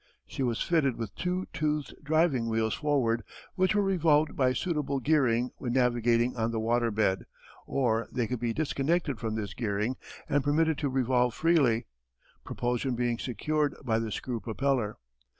She was fitted with two toothed driving wheels forward which were revolved by suitable gearing when navigating on the waterbed, or they could be disconnected from this gearing and permitted to revolve freely, propulsion being secured by the screw propeller.